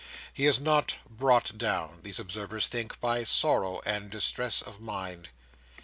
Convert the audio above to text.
He is not "brought down," these observers think, by sorrow and distress of mind.